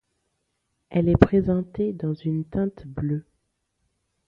Elle est présentée dans une teinte bleue.